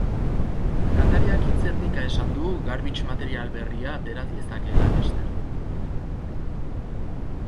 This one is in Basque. Kantariak hitz-erdika esan du garbagek material berria atera lezakeela laster.